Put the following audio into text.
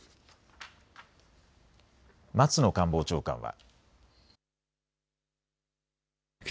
松野官房長官は。